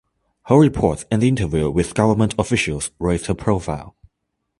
Her reports and the interview with government officials raised her profile.